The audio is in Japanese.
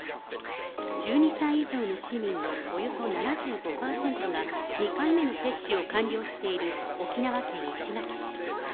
１２歳以上の市民のおよそ７５％が、２回目の接種を完了している沖縄県石垣市。